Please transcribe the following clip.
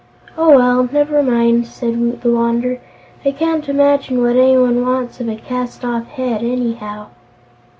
"Oh, well; never mind," said Woot the Wanderer; "I can't imagine what anyone wants of a cast off head, anyhow."